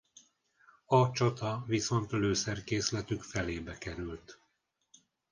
A csata viszont lőszerkészletük felébe került.